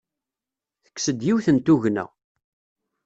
Tekkes-d yiwet n tugna.